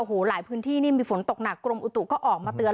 โอ้โหหลายพื้นที่นี่มีฝนตกหนักกรมอุตุก็ออกมาเตือน